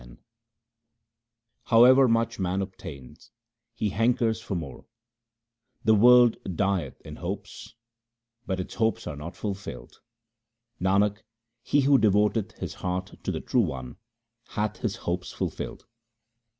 HYMNS OF GURU AMAR DAS 211 However much man obtains, he hankers for more :— The world dieth in hopes, but its hopes are not fulfilled : 1 Nanak, he who devoteth his heart to the True One hath his hopes fulfilled.